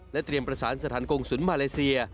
เตรียมประสานสถานกงศูนย์มาเลเซีย